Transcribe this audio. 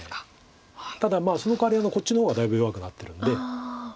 ただそのかわりこっちの方はだいぶ弱くなってるんで。